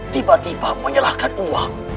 tiba tiba menyalahkan uang